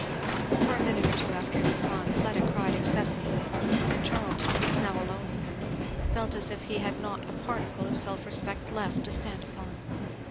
For a minute after he was gone Fleda cried excessively; and Charlton, now alone with her, felt as if he had not a particle of self respect left to stand upon.